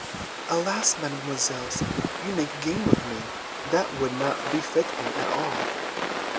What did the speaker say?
"Alas! Mesdemoiselles, you make game of me; that would not befit me at all."